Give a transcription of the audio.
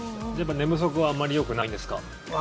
寝不足はあんまりよくないんですか？